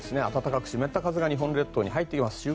暖かく湿った風が日本列島に入ってきます。